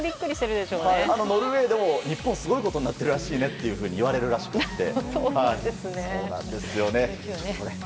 ノルウェーでも日本すごいことになってるらしいねと言われるらしくて。